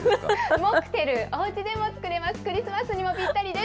モクテル、おうちでも作れます。